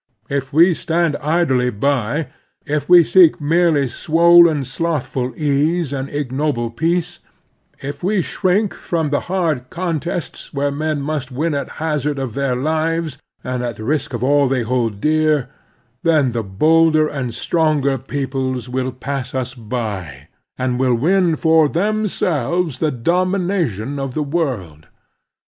If we stand idly by, if we seek merely swollen, slothful ease and ignoble peace, if we shrink from the hard contests where men must win at hazard of their lives and at the risk of all they hold dear, liien the bolder and stronger peoples will pass us \by, and will win for themselves the domination 22 The Strenuous Life of the world.